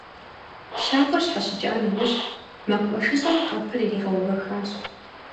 Щакӏуэр щхьэщыкӏа нэужь, мэкъумэшыщӏэм къэпыр иригъэувэхащ.